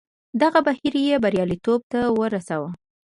دغه بهیر یې بریالیتوب ته ورساوه.